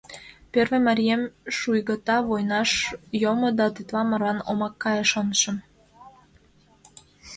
— Первый марием шуйгата войнаш йомо да тетла марлан омак кае, шонышым.